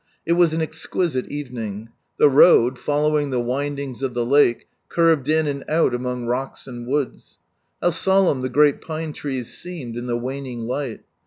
It was an exquisite evening. The road, following the windings of the lake, curved in and out among rocks and woods. How solemn the great pine trees seemed in the waning light